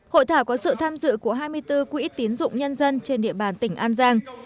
hội thảo có sự tham dự của hai mươi bốn quỹ tín dụng nhân dân trên địa bàn tỉnh an giang